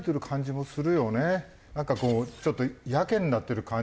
なんかこうちょっとやけになってる感じは。